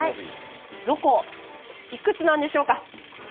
ロコいくつなんでしょうか？